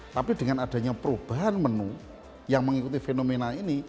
tapi dengan adanya perubahan menu yang mengikuti fenomena ini